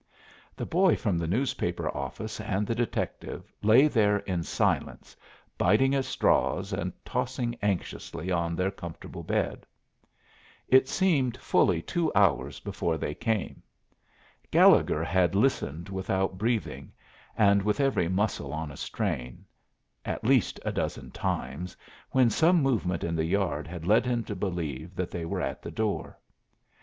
The boy from the newspaper office and the detective lay there in silence, biting at straws and tossing anxiously on their comfortable bed. It seemed fully two hours before they came. Gallegher had listened without breathing, and with every muscle on a strain, at least a dozen times, when some movement in the yard had led him to believe that they were at the door.